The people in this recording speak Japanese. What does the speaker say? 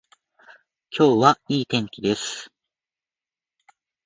今日は良い天気です